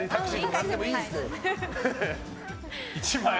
１万円